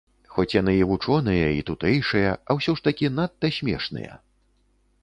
Хоць яны і вучоныя і тутэйшыя, а ўсё ж такі надта смешныя.